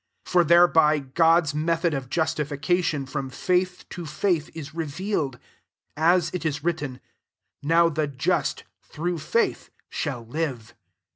17 For thereby God's method of justification* from faith to faith is revealed ; as it is written, " Now the just, through faith, shall live."